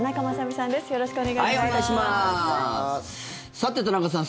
さて、田中さん